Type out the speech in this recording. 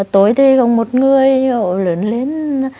tối thì có một người lớn lên